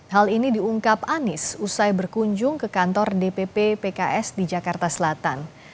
hal ini diungkap anies usai berkunjung ke kantor dpp pks di jakarta selatan